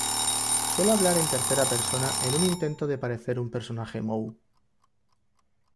Suele hablar en tercera persona en un intento de parecer un personaje moe.